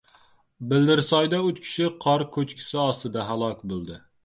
Bildirsoyda uch kishi qor ko‘chkisi ostida halok bo‘ldi